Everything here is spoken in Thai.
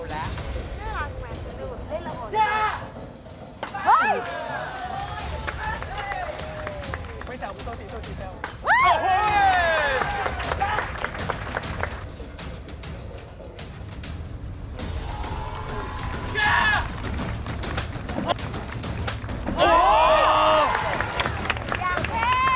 เวลาทุกแม่มันจะลืมเล่นละหมด